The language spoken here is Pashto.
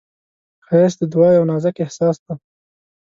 ښایست د دعا یو نازک احساس دی